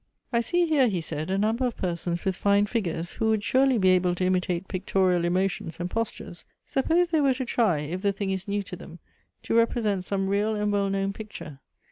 "I see here," he said, " a number of persons with fine figures, who would surely be able to imitate pictoiial emotions and postures. Suppose they were to try, if the thing is new to them, to represent some real and well known picture.